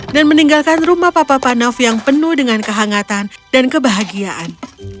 dan meninggalkan rumah papa panov yang penuh dengan kehangatan dan kebahagiaan